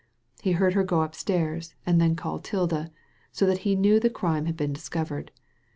He heard her go upstairs and then call Tilda, so that he knew the crime had been discovered.